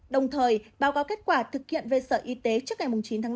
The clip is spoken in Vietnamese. đồng thời báo cáo kết quả thực hiện về sở y tế trước ngày chín tháng tám